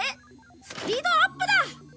スピードアップだ！